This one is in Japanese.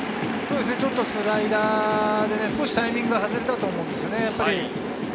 ちょっとスライダーで、少しタイミングが外れたと思うんですね。